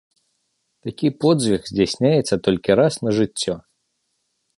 Такі подзвіг здзяйсняецца толькі раз на жыццё.